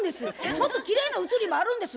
もっときれいな写りもあるんです。